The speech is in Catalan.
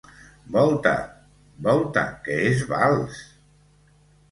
Volta. —Volta, que és vals!